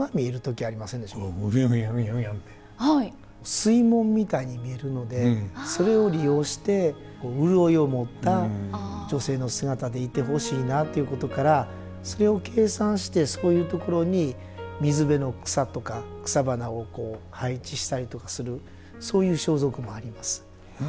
水紋みたいに見えるのでそれを利用して潤いを持った女性の姿でいてほしいなということからそれを計算してそういうところに水辺の草とか草花をこう配置したりとかするそういう装束もあります。